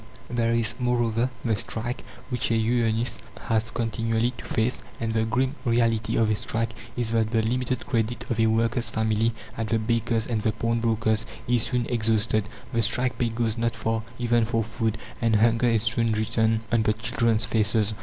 (8) There is, moreover, the strike, which a unionist has continually to face; and the grim reality of a strike is, that the limited credit of a worker's family at the baker's and the pawnbroker's is soon exhausted, the strike pay goes not far even for food, and hunger is soon written on the children's faces.